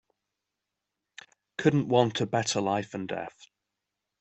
Couldn't want a better life and death.